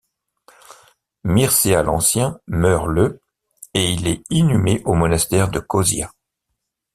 Mircea l'Ancien meurt le et il est inhumé au monastère de Cozia.